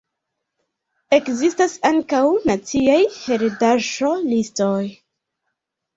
Ekzistas ankaŭ naciaj heredaĵo-listoj.